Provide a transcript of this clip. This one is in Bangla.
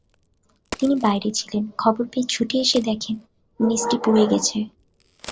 তিনি বাইরে ছিলেন, খবর পেয়ে ছুটে এসে দেখেন মেসটি পুড়ে গেছে।